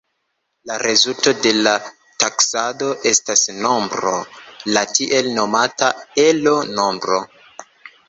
La rezulto de la taksado estas nombro, la tiel nomata Elo-nombro.